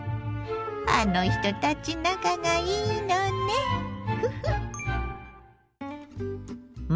あの人たち仲がいいのねフフッ。